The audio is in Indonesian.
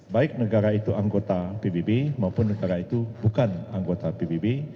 baik negara itu anggota pbb maupun negara itu bukan anggota pbb